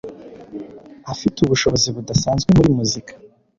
Afite ubushobozi budasanzwe muri muzika.